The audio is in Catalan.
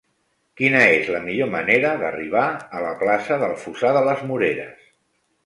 Quina és la millor manera d'arribar a la plaça del Fossar de les Moreres?